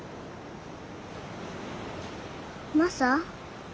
マサ？